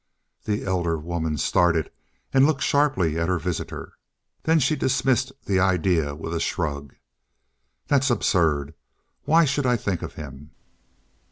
The elder woman started and looked sharply at her visitor. Then she dismissed the idea with a shrug. "That's absurd. Why should I think of him?"